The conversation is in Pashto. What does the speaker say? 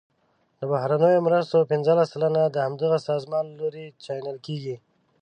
د بهرنیو مرستو پنځلس سلنه د همدغه سازمانونو له لوري چینل کیږي.